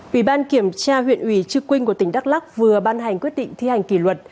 ủy ban kiểm tra huyện ủy trư quynh của tỉnh đắk lắc vừa ban hành quyết định thi hành kỷ luật